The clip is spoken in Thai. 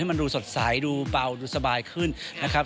มันดูสดใสดูเบาดูสบายขึ้นนะครับ